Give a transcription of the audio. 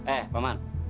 eh pak man